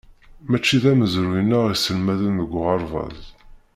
Mačči d amezruy-nneɣ i sselmaden deg uɣerbaz.